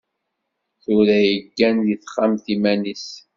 Tura iggan deg texxamt iman-is.